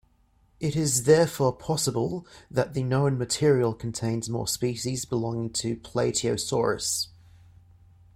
It is therefore possible that the known material contains more species belonging to "Plateosaurus".